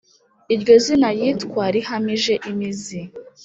Iryo zina yitwa rihamije imizi